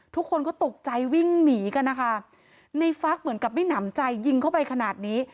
ทุกคนก็ตกใจวิ่งหนีกันนะคะในฟักเหมือนกับไม่หนำใจยิงเข้าไปขนาดนี้